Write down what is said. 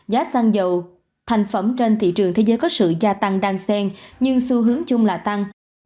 giá xăng dầu thành phẩm trên thị trường thế giới có sự gia tăng đan sen nhưng xu hướng chung là tăng